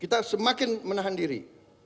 kita semakin menahan diri